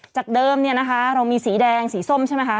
จากเดิมเนี่ยนะคะเรามีสีแดงสีส้มใช่ไหมคะ